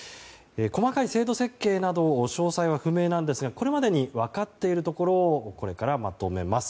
細かい制度設計など詳細は不明なんですがこれまでに分かっていることをこれからまとめます。